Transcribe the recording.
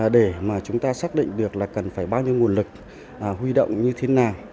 để chúng ta xác định được cần bao nhiêu nguồn lực huy động như thế nào